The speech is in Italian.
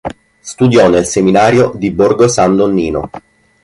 Studiò nel Seminario di Borgo San Donnino.